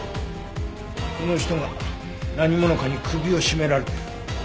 この人が何者かに首を絞められてる。